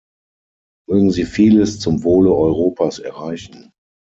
Mögen Sie vieles zum Wohle Europas erreichen!